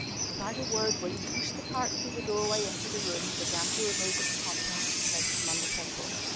Without a word William pushed the cart through the doorway into the room and began to remove its contents and place them on the table.